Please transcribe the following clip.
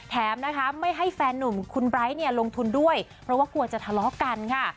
แถมนะคะไม่ให้แฟนหนุ่มคุณไบร์ทเนี่ยลงทุนด้วยเพราะว่ากลัวจะทะเลาะกันค่ะ